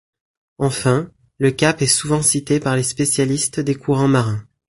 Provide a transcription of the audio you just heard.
Enfin, le cap est souvent cité par les spécialistes des courants marins.